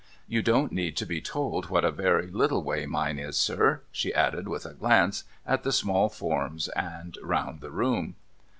You don't need to be told what a very little way mine is, sir,' she added with a glance at the small forms and round the room.